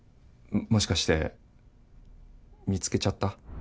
もしかして見つけちゃった？